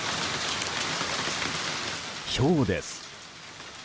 ひょうです。